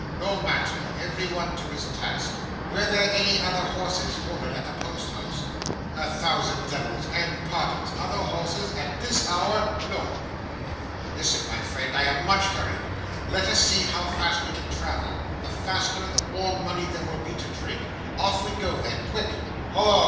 "No matter. Everyone to his task. Were there any other horses ordered at the Post house?" "A thousand devils!—and pardons! other horses? at this hour? No." "Listen, my friend. I am much hurried. Let us see how fast we can travel! The faster, the more money there will be to drink. Off we go then! Quick!" "Halloa!